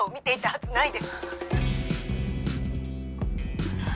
はい。